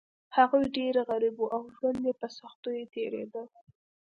هغوی ډیر غریب وو او ژوند یې په سختیو تیریده.